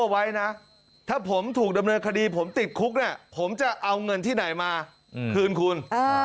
ไว้นะถ้าผมถูกดำเนินคดีผมติดคุกเนี่ยผมจะเอาเงินที่ไหนมาคืนคุณ